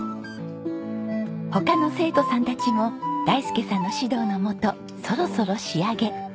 他の生徒さんたちも大介さんの指導のもとそろそろ仕上げ。